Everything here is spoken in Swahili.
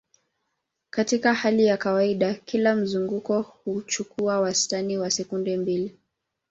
Katika hali ya kawaida, kila mzunguko huchukua wastani wa sekunde mbili.